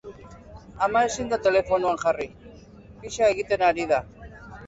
Ama ezin da telefonoan jarri, pixa egiten ari da.